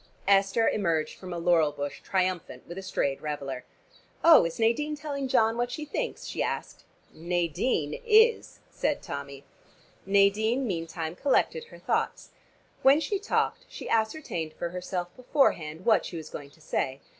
Esther emerged from a laurel bush triumphant with a strayed reveler. "Oh, is Nadine telling John what she thinks?" she asked. "Nadine is!" said Tommy. Nadine meantime collected her thoughts. When she talked she ascertained for herself beforehand what she was going to say.